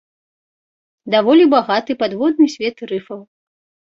Даволі багаты падводны свет рыфаў.